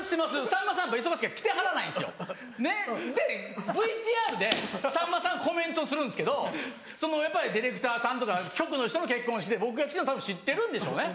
さんまさんやっぱ忙しいから来てはらないんですよ。でＶＴＲでさんまさんコメントするんですけどやっぱりディレクターさんとか局の人の結婚式で僕が来てるのたぶん知ってるんでしょうね。